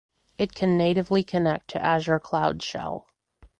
It can natively connect to Azure Cloud Shell.